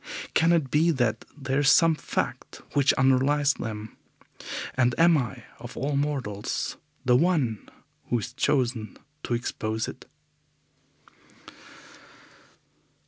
Can it be that there is some fact which underlies them, and am I, of all mortals, the one who is chosen to expose it?